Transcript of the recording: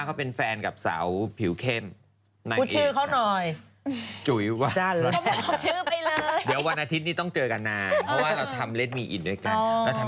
ก็เลยจะไปถามความไข้หน้าของการวิวารความใจ